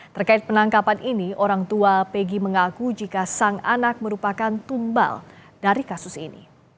terkait penangkapan ini orang tua pegi mengaku jika sang anak merupakan tumbal dari kasus ini